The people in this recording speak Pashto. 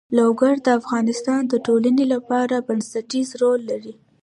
لوگر د افغانستان د ټولنې لپاره بنسټيز رول لري.